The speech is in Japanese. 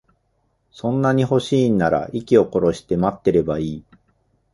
そんなに欲しいんなら、息を殺して待ってればいい。